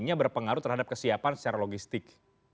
ini berpengaruh terhadap kesiapan secara logistik